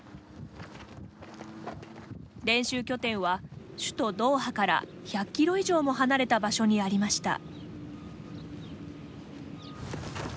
練習拠点は、首都ドーハから１００キロ以上も離れた場所にありました。